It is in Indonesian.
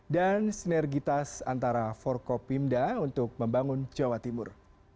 dan sinergitas antara forkopimda untuk membangun jawa timur